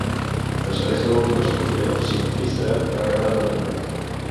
Després de l'última explosió, "Sir Tristram" va quedar abandonat.